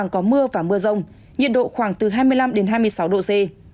có mưa và mưa rông nhiệt độ khoảng từ hai mươi năm đến hai mươi sáu độ c